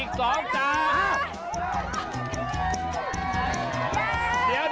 กินเริ่มอีก